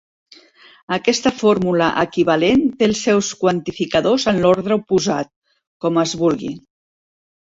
Aquesta fórmula equivalent té els seus quantificadors en l'ordre oposat, com es vulgui.